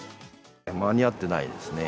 間に合ってないですね。